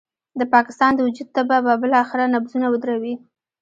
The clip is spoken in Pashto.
د پاکستان د وجود تبه به بالاخره نبضونه ودروي.